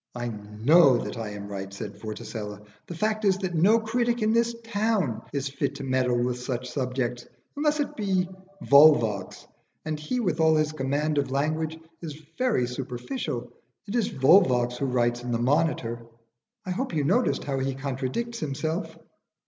"I know that I am right," said Vorticella. "The fact is that no critic in this town is fit to meddle with such subjects, unless it be Volvox, and he, with all his command of language, is very superficial. It is Volvox who writes in the 'Monitor,' I hope you noticed how he contradicts himself?"